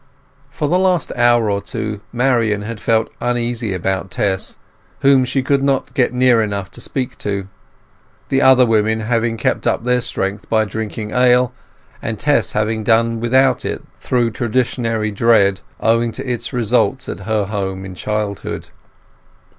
For the last hour or two Marian had felt uneasy about Tess, whom she could not get near enough to speak to, the other women having kept up their strength by drinking ale, and Tess having done without it through traditionary dread, owing to its results at her home in childhood.